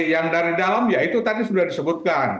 yang dari dalam ya itu tadi sudah disebutkan